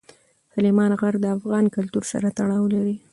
سلیمان غر له افغان کلتور سره تړاو لري.